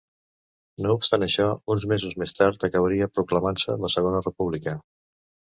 No obstant això, uns mesos més tard acabaria proclamant-se la Segona República.